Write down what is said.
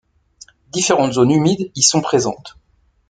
Différentes zones humides y sont présentes.